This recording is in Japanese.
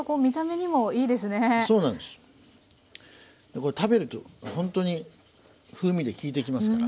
これ食べるとほんとに風味できいてきますから。